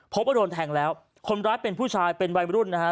พบว่าโดนแทงแล้วคนร้ายเป็นผู้ชายเป็นวัยรุ่นนะฮะ